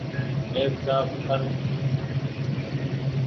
ليپ ٽوپ جآم ڪر ڪسي ڇي ۔